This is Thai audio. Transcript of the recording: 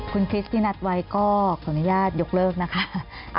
คุณคริสตินัดวัยก็ธรรมดิจารย์ยกเลิกนะคะ